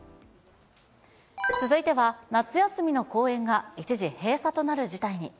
続いては夏休みの公園が一時閉鎖となる事態に。